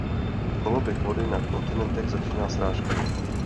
Koloběh vody na kontinentech začíná srážkami.